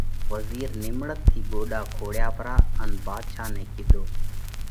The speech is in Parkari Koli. وزِير نِيمڙت ٿِي ڳوڏا کوڙيا پرا ان ڀاڌشا نئہ ڪِيڌو: